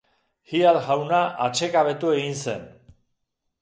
Head jauna atsekabetu egin zen.